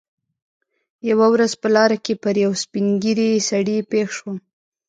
یوه ورځ په لاره کې پر یوه سپین ږیري سړي پېښ شوم.